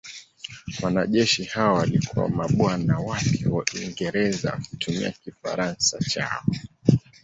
Wanajeshi hao walikuwa mabwana wapya wa Uingereza wakitumia Kifaransa chao.